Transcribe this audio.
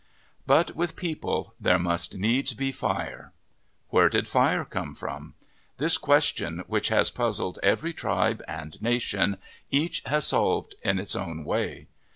But with people there must needs be fire. Where did fire come from ? This question which VII PREFACE has puzzled every tribe and nation, each has solved in its own way.